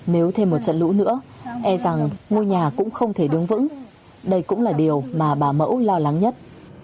nếu thêm một trận lũ nữa e rằng ngôi nhà cũng không thể đứng vững đây cũng là điều mà bà mẫu lo lắng nhất